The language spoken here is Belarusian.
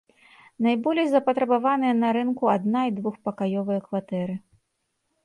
Найболей запатрабаваныя на рынку адна- і двухпакаёвыя кватэры.